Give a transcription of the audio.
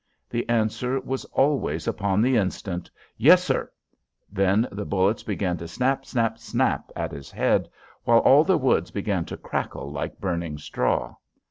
The answer was always upon the instant: "Yes, sir." Then the bullets began to snap, snap, snap, at his head while all the woods began to crackle like burning straw.